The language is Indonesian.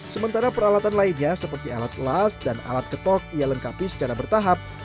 sementara peralatan lainnya seperti alat las dan alat ketok ia lengkapi secara bertahap